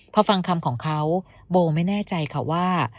พอฟังคำของเขาโบไม่แน่ใจค่ะว่า